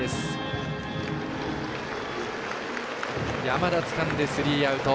山田つかんでスリーアウト。